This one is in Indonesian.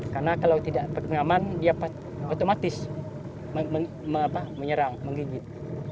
karena kalau tidak pengaman dia otomatis menyerang menggigit